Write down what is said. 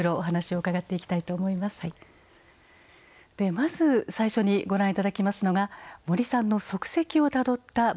まず最初にご覧頂きますのが森さんの足跡をたどった番組です。